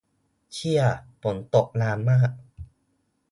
เชี่ย ฝนตกนานมาก